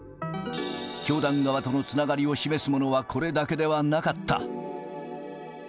教団側とのつながりを示すものはこれだけではなかった。